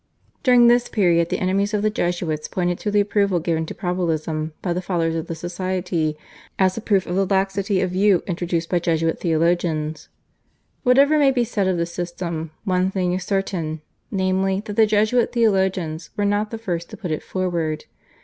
During this period the enemies of the Jesuits pointed to the approval given to Probabilism by the Fathers of the Society as a proof of the laxity of view introduced by Jesuit theologians. Whatever may be said of the system, one thing is certain, namely, that the Jesuit theologians were not the first to put it forward.